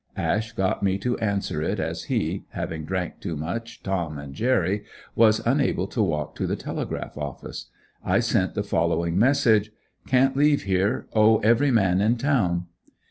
Ash got me to answer it as he, having drank too much Tom and Jerry, was unable to walk to the Telegraph office. I sent the following message: "Can't leave here; owe every man in town."